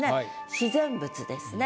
自然物ですね。